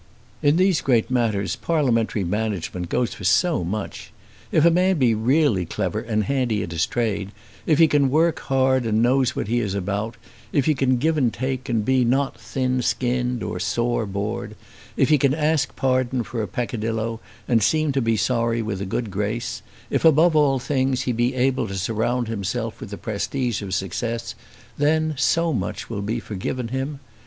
In these great matters parliamentary management goes for so much! If a man be really clever and handy at his trade, if he can work hard and knows what he is about, if he can give and take and be not thin skinned or sore bored, if he can ask pardon for a peccadillo and seem to be sorry with a good grace, if above all things he be able to surround himself with the prestige of success, then so much will be forgiven him!